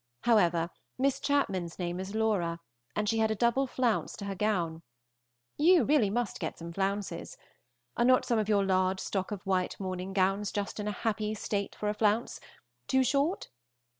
However, Miss Chapman's name is Laura, and she had a double flounce to her gown. You really must get some flounces. Are not some of your large stock of white morning gowns just in a happy state for a flounce too short?